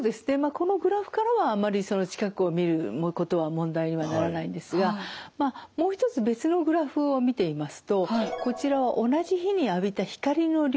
このグラフからはあまり近くを見ることは問題にはならないんですがもう一つ別のグラフを見てみますとこちらは同じ日に浴びた光の量。